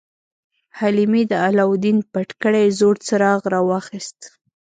حلیمې د علاوالدین پټ کړی زوړ څراغ راواخیست.